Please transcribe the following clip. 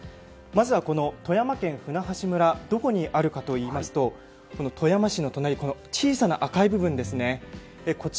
まずは富山県舟橋村はどこにあるかといいますと富山市の隣の小さな赤い部分ですね。